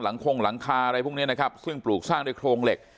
คงหลังคาอะไรพวกนี้นะครับซึ่งปลูกสร้างด้วยโครงเหล็ก